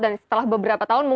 dan setelah beberapa tahun mungkin